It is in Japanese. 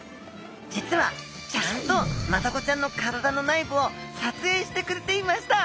実はちゃんとマダコちゃんの体の内部を撮影してくれていました。